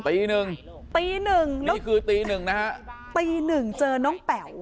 ตีหนึ่งตีหนึ่งนี่คือตีหนึ่งนะฮะตีหนึ่งเจอน้องแป๋ว